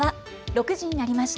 ６時になりました。